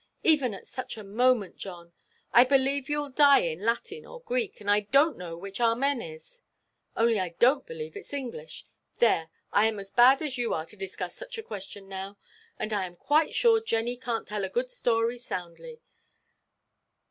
even at such a moment, John! I believe youʼll die in Latin or Greek—and I donʼt know which Amen is, only I donʼt believe itʼs English—there, I am as bad as you are to discuss such a question now. And I am quite sure Jenny canʼt tell a good story soundly.